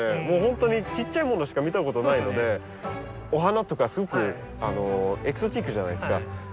もうほんとにちっちゃいものしか見たことないのでお花とかすごくエキゾチックじゃないですか。